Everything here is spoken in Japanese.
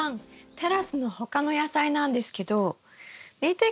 テラスの他の野菜なんですけど見て下さい！